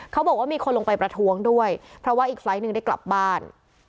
เขาบอกว่ามีคนลงไปประท้วงด้วยเพราะว่าอีกไฟล์ทหนึ่งได้กลับบ้าน